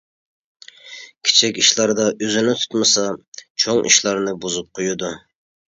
كىچىك ئىشلاردا ئۆزىنى تۇتمىسا، چوڭ ئىشلارنى بۇزۇپ قويىدۇ.